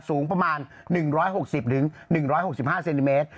สูงประมาณ๑๖๐๑๖๕เซนติเมตร